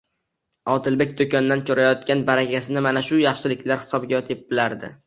Odilbek do'kondan ko'rayotgan barakasini mana shu yaxshiliklar hisobiga deb bilardi.